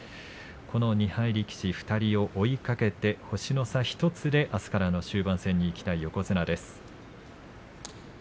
この２敗力士、２人を追いかけて星の差１つであすからの終盤戦にいきたい横綱です。